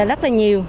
rất là nhiều